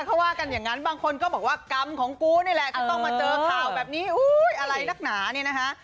เขาว่ากันอย่างนั้นบางคนก็บอกว่ากรรมของกูนี่แหละจะต้องมาเจอข่าวแบบนี้อะไรนักหนาเนี่ยนะคะ